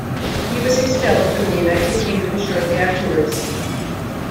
He was expelled from the United Kingdom shortly afterwards.